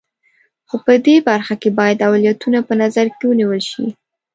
خو په دې برخه کې باید اولویتونه په نظر کې ونیول شي.